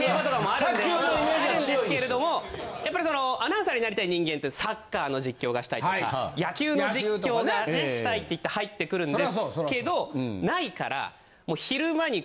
あるんですけどもやっぱりそのアナウンサーになりたい人間ってサッカーの実況がしたいとか野球の実況がねしたいって言って入ってくるんですけど無いからもう昼間に。